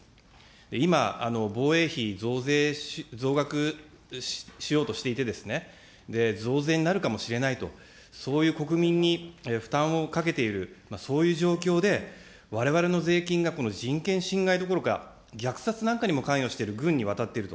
今、防衛費増額しようとしていて、増税になるかもしれないと、そういう国民に負担をかけている、そういう状況で、われわれの税金が、この人権侵害どころか、虐殺なんかにも関与している軍に渡っていると。